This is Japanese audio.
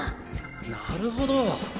なるほど！